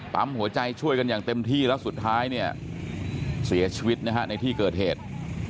ปั๊มหัวใจช่วยกันอย่างเต็มที่แล้วสุดท้ายเนี่ยเสียชีวิตนะฮะในที่เกิดเหตุ